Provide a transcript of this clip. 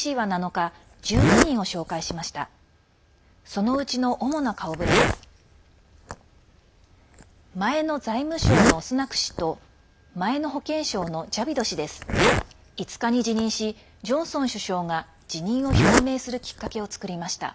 ５日に辞任しジョンソン首相が辞任を表明するきっかけを作りました。